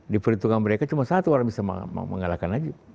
di perhitungan mereka cuma satu orang bisa mengalahkan lagi